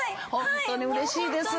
本当にうれしいです。